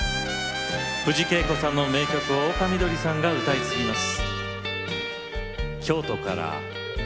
藤圭子さんの名曲を丘みどりさんが歌い継ぎます。